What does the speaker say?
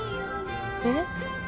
えっ？